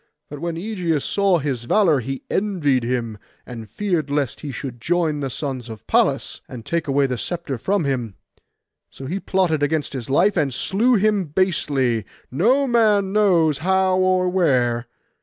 But when Ægeus saw his valour, he envied him, and feared lest he should join the sons of Pallas, and take away the sceptre from him. So he plotted against his life, and slew him basely, no man knows how or where.